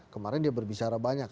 kemarin dia berbicara banyak